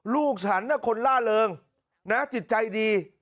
ลูกฉันคนล่าเริงนะจิตใจดี